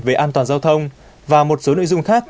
về an toàn giao thông và một số nội dung khác